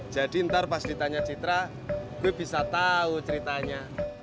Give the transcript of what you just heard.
jadi ntar pas ditanya citra gue bisa tau ceritanya